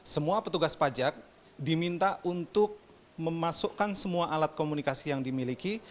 semua petugas pajak diminta untuk memasukkan semua alat komunikasi yang dimiliki